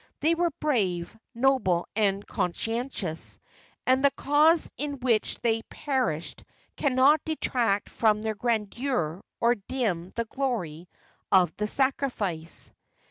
They were brave, noble and conscientious, and the cause in which they perished cannot detract from the grandeur or dim the glory of the sacrifice.